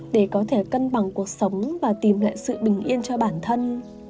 để có thể cân bằng cuộc sống và tìm lại sự bình yên cho bản thân